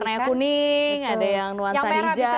ada yang warna kuning ada yang nuansa hijau